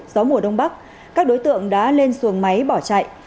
gió mùa đông bắc các đối tượng đã lên xuồng máy bỏ chạy